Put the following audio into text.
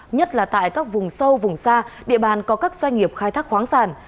nhất là tại các vùng sâu vùng xa địa bàn có các doanh nghiệp khai thác khoáng sản